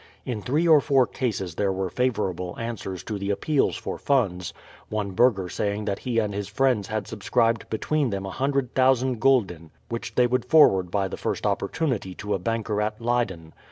In three or four cases there were favourable answers to the appeals for funds, one burgher saying that he and his friends had subscribed between them a hundred thousand gulden, which they would forward by the first opportunity to a banker at Leyden.